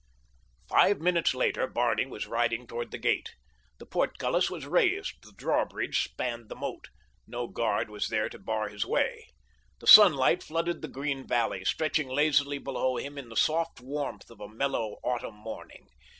Five minutes later Barney was riding toward the gate. The portcullis was raised—the drawbridge spanned the moat—no guard was there to bar his way. The sunlight flooded the green valley, stretching lazily below him in the soft warmth of a mellow autumn morning.